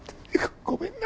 ごめんな。